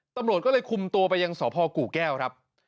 ตำรวจก็เลยคุมตัวไปยังสพกู่แก้วครับ